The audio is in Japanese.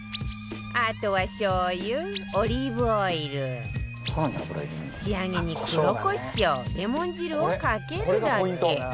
あとは醤油オリーブオイル仕上げに黒コショウレモン汁をかけるだけ